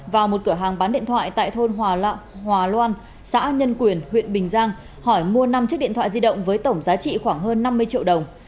vào một cửa hàng bán điện thoại tại thôn hòa lạc hòa loan xã nhân quyền huyện bình giang hỏi mua năm chiếc điện thoại di động với tổng giá trị khoảng hơn năm mươi triệu đồng